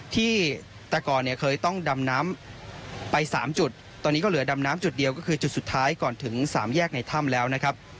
ที่แต่ก่อนเนี่ยเคยต้องดำน้ำไป๓จุดตอนนี้ก็เหลือดำน้ำจุดเดียวก็คือจุดสุดท้ายก่อนถึงสามแยกในถ้ำแล้วนะครับ